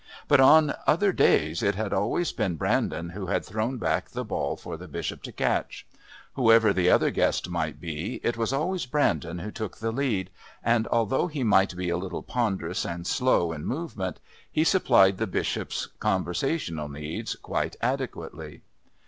But on other days it had always been Brandon who had thrown back the ball for the Bishop to catch. Whoever the other guest might be, it was always Brandon who took the lead, and although he might be a little ponderous and slow in movement, he supplied the Bishop's conversational needs quite adequately.